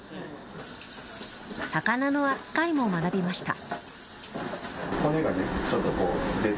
魚の扱いも学びました。